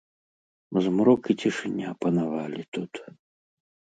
Змрок і цішыня панавалі тут.